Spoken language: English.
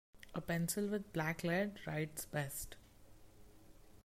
A pencil with black lead writes best.